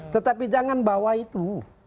tetapi jangan bawa itu